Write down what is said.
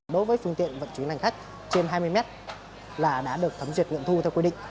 đối với phương tiện vận chuyển lành khách trên hai mươi mét là đã được thấm duyệt nghiệm thu theo quy định